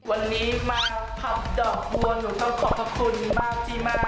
วันนี้มาพับดอกบัวหนูต้องขอบคุณมากที่มาต่อให้หนูพับเป็น